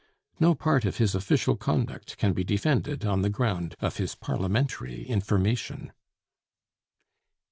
No part of his official conduct can be defended on the ground of his Parliamentary information.